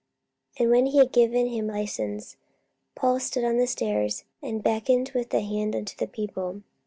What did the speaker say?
44:021:040 And when he had given him licence, Paul stood on the stairs, and beckoned with the hand unto the people.